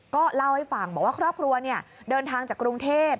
ก็เล่าให้ฟังบอกว่าครอบครัวเดินทางจากกรุงเทพ